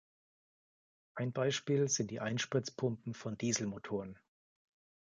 Ein Beispiel sind die Einspritzpumpen von Dieselmotoren.